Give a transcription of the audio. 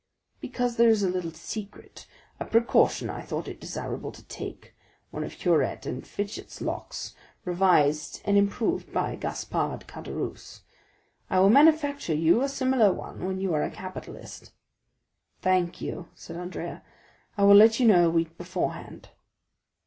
"Because there is a little secret, a precaution I thought it desirable to take, one of Huret & Fichet's locks, revised and improved by Gaspard Caderousse; I will manufacture you a similar one when you are a capitalist." "Thank you," said Andrea; "I will let you know a week beforehand."